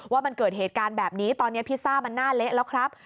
ว่ามันเกิดเหตุการณ์แบบนี้ตอนนี้พิซซ่ามันหน้าเละแล้วครับ